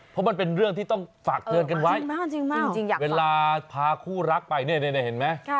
เพราะมันเป็นเรื่องที่ต้องฝากเตือนกันไว้เวลาพาคู่รักไปเนี่ยเห็นไหม